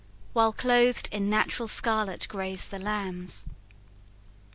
While clothed in natural scarlet graze the lambs.